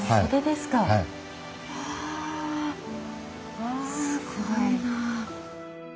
すごいなあ。